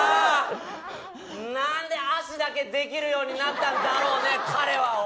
何で足だけできるようになったんだろうね、彼は。